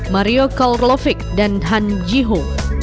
mario kohlrovic dan han jiho